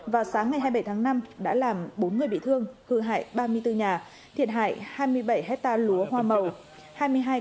vào sáng ngày hai mươi bảy tháng năm đã làm bốn người bị thương hư hại ba mươi bốn nhà thiệt hại hai mươi bảy hectare lúa hoa màu